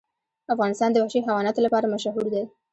افغانستان د وحشي حیواناتو لپاره مشهور دی.